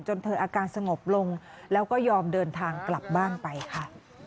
เธออาการสงบลงแล้วก็ยอมเดินทางกลับบ้านไปค่ะ